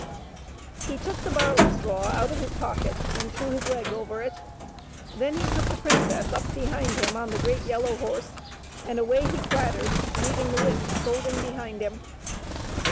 He took the barley straw out of his pocket and threw his leg over it. Then he took the princess up behind him on the great yellow horse, and away he clattered, leaving the witch scolding behind him.